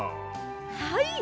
はい！